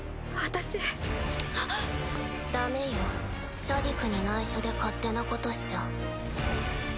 タッダメよシャディクにないしょで勝手なことしちゃ。